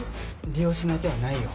利用しない手はないよ。